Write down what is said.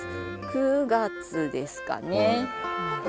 ９月ですかね。